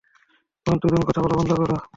তোমরা দুজন কথা বলা বন্ধ করো!